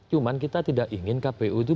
cuman kita tidak ingin kpu